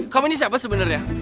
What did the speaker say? kamu ini siapa sebenernya